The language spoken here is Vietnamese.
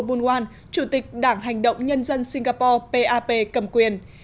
bun wan chủ tịch đảng hành động nhân dân singapore cầm quyền